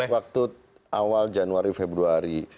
waktu awal januari februari